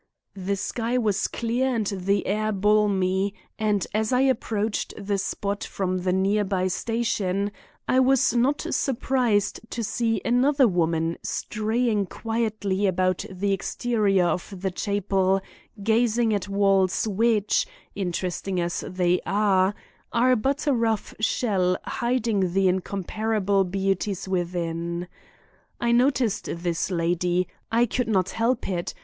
The sky was clear and the air balmy, and as I approached the spot from the near by station I was not surprised to see another woman straying quietly about the exterior of the chapel gazing at walls which, interesting as they are, are but a rough shell hiding the incomparable beauties within. I noticed this lady; I could not help it.